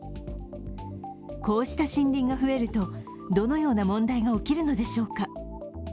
こうした森林が増えるとどのような問題が起きるのでしょうか。